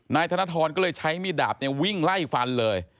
นายธนทรก็เลยใช้มีดดาบวิ่งไล่ฟันเลย